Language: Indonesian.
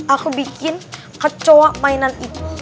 aku bikin kecoa mainan itu